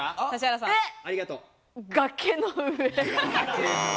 崖の上。